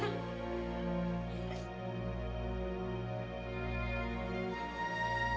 jangan une emojo dong